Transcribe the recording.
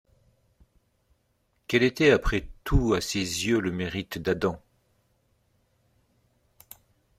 Quel était après tout à ses yeux le mérite d’Adam?